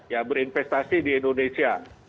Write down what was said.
ya berinvestasi di indonesia